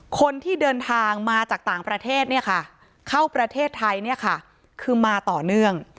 คนที่เดินทางมาจากต่างประเทศเข้าประเทศไทยคือมาต่อเนื่อง